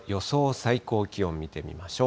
最高気温見てみましょう。